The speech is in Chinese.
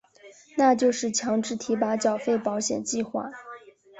那就是强制提拨缴费保险计划。